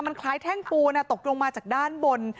มันคล้ายแท่งปูนตกลงมาจากด้านบน